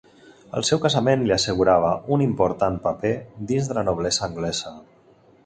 El seu casament li assegurava un important paper dintre de la noblesa anglesa.